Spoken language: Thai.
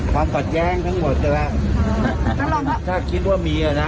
ความบัดแย้งทั้งหมดได้คุณจะลองถ้าคิดว่ามีอะไรน่ะ